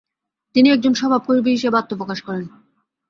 তিনি একজন স্বভাবকবি হিসেবে আত্মপ্রকাশ করেন।